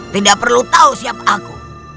tidak perlu tahu siapa aku